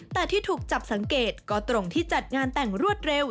แต่ที่ถูกจับสังเกตก็ตรงที่จัดงานแต่งรวดเร็ว